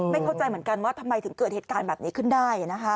เข้าใจเหมือนกันว่าทำไมถึงเกิดเหตุการณ์แบบนี้ขึ้นได้นะคะ